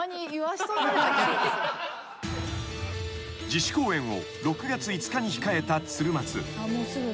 ［自主公演を６月５日に控えた鶴松］